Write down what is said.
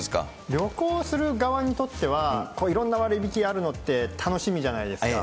旅行する側にとっては、いろんな割引あるのって楽しみじゃないですか。